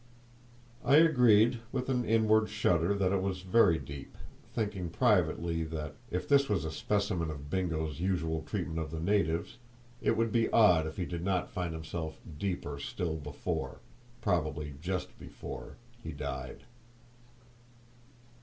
I agreed, with an inward shudder, that it was very deep, thinking privately that, if this was a specimen of Bingo's usual treatment of the natives, it would be odd if he did not find himself deeper still before—probably just before—he died.